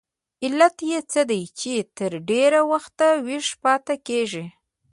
علت یې څه دی چې تر ډېره وخته ویښه پاتې کیږي؟